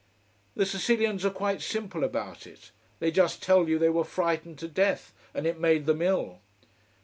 The Sicilians are quite simple about it. They just tell you they were frightened to death, and it made them ill.